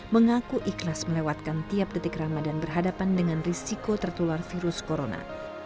mengaku ikhlas melewatkan tiap detik ramadan berhadapan dengan risiko tertular virus corona